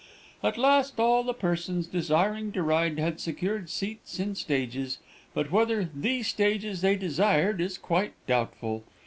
"At last, all the persons desiring to ride had secured seats in stages, but whether the stages they desired is quite doubtful.